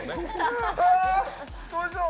わー、どうしよう。